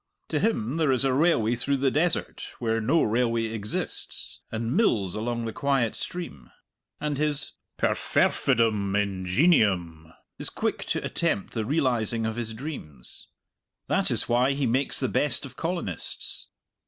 To him there is a railway through the desert where no railway exists, and mills along the quiet stream. And his perfervidum ingenium is quick to attempt the realizing of his dreams. That is why he makes the best of colonists.